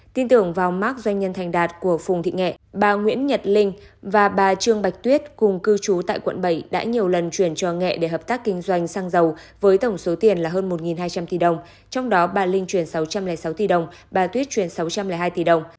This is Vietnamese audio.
tin tưởng vào mác doanh nhân thành đạt của phùng thị nghệ bà nguyễn nhật linh và bà trương bạch tuyết cùng cư trú tại quận bảy đã nhiều lần chuyển cho nghệ để hợp tác kinh doanh xăng dầu với tổng số tiền là hơn một hai trăm linh tỷ đồng trong đó bà linh chuyển sáu trăm linh sáu tỷ đồng bà tuyết truyền sáu trăm linh hai tỷ đồng